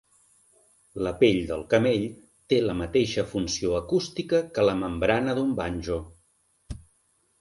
La pell de camell té la mateixa funció acústica que la membrana d'un banjo.